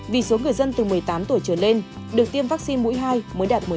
vì số người dân từ một mươi tám tuổi trở lên được tiêm vaccine mũi hai mới đạt một mươi năm